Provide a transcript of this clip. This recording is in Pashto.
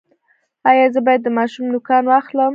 ایا زه باید د ماشوم نوکان واخلم؟